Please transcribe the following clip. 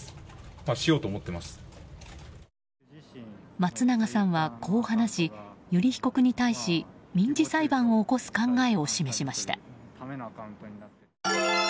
松永さんは、こう話し油利被告に対し民事裁判を起こす考えを示しました。